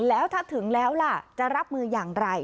แล้วถ้าถึงแล้วล่ะจะรับมืออย่างไร